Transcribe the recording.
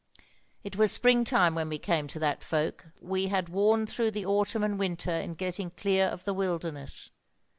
"It was springtime when we came to that folk; for we had worn through the autumn and winter in getting clear of the wilderness.